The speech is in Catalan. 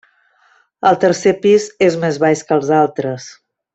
El tercer pis és més baix que els altres.